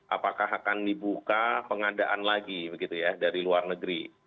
apakah akan dibuka pengadaan lagi dari luar negeri